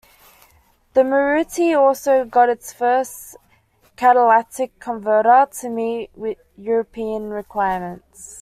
The Maruti also got its first catalytic converter to meet European requirements.